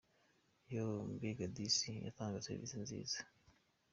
yoooooooooo mbega disi yatangaga service nziza.